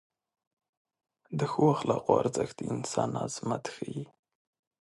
د ښو اخلاقو ارزښت د انسان عظمت ښیي.